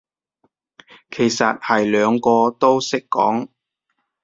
其實係兩個都識講